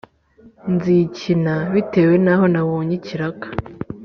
nzikina bitewe n’aho nabonye ikiraka.